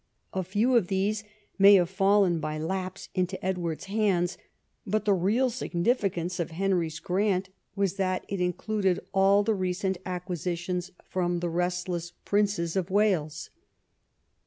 A few of these may have fallen by lapse into Edward's hands, but the real significance of Henry's grant was that it included all the recent acquisitions from the restless Princes of Wales.